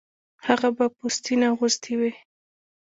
هغه به پوستین اغوستې وې